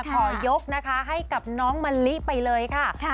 ผมยกให้กับน้องมลิไปเลยค่ะ